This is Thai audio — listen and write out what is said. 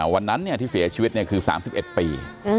วันนั้นเนี่ยที่เสียชีวิตเนี่ยคือ๓๑ปี